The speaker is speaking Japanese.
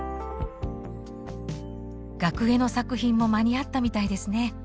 額絵の作品も間に合ったみたいですね。